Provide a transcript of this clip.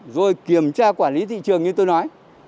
rồi kiểm tra quản lý thị trường như tôi nói